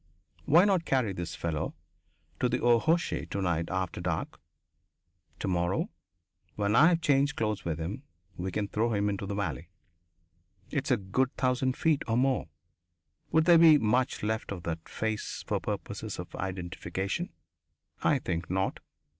Why not carry this fellow to the rochers, to night after dark? To morrow, when I have changed clothes with him, we can throw him into the valley. It's a good thousand feet or more. Would there be much left of that face, for purposes of identification? I think not.